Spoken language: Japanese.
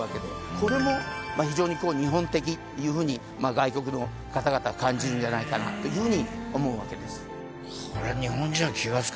これもまあ非常に日本的というふうに外国の方々は感じるんじゃないかなというふうに思うわけです。